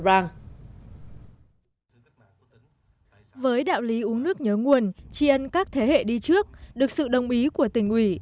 với đạo lý uống nước nhớ nguồn chi ân các thế hệ đi trước được sự đồng ý của tỉnh ủy